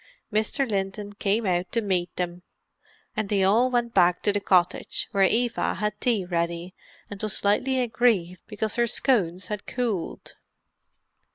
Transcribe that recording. Mr. Linton came out to meet them, and they all went back to the cottage, where Eva had tea ready and was slightly aggrieved because her scones had cooled.